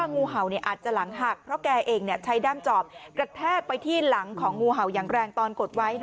ในด้ำจอบกระแทกไปที่หลังของงูเห่ายังแรงตอนกดไว้